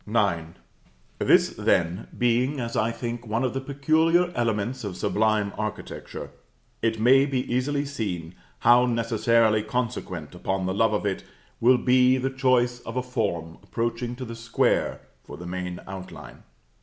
IX. This, then, being, as I think, one of the peculiar elements of sublime architecture, it may be easily seen how necessarily consequent upon the love of it will be the choice of a form approaching to the square for the main outline.